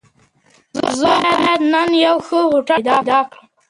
زه بايد نن يو ښه هوټل پيدا کړم.